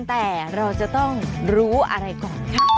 แต่เราจะต้องรู้อะไรก่อนค่ะ